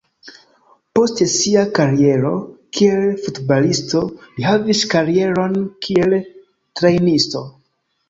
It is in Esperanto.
Post sia kariero kiel futbalisto, li havis karieron kiel trejnisto.